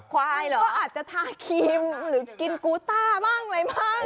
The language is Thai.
เหรอก็อาจจะทาครีมหรือกินกูต้าบ้างอะไรบ้าง